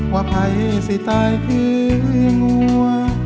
ว่าภัยสิตายคืองัว